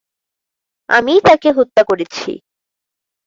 আমিই তাকে হত্যা করেছি।